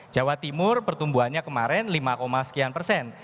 jawa timur pertumbuhannya kemarin lima sekian persen